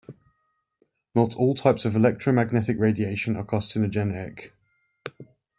Not all types of electromagnetic radiation are carcinogenic.